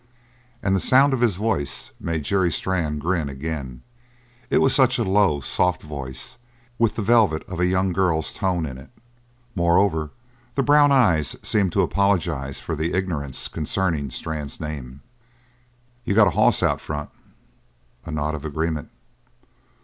And the sound of his voice made Jerry Strann grin again; it was such a low, soft voice with the velvet of a young girl's tone in it; moreover, the brown eyes seemed to apologise for the ignorance concerning Strann's name. "You got a hoss out in front." A nod of agreement.